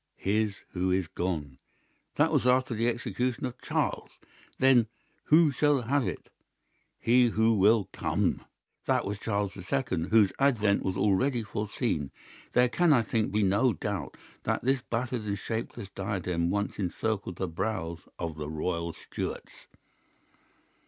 "His who is gone." That was after the execution of Charles. Then, "Who shall have it?" "He who will come." That was Charles the Second, whose advent was already foreseen. There can, I think, be no doubt that this battered and shapeless diadem once encircled the brows of the royal Stuarts.